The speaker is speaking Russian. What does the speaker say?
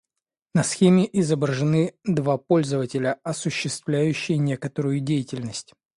На схеме изображены два пользователя, осуществляющие некую деятельность